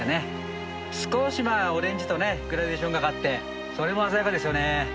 少しオレンジとグラデーションがかってそれも鮮やかですよね。